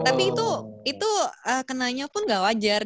tapi itu itu kenanya pun gak wajar